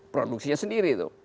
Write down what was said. produksinya sendiri tuh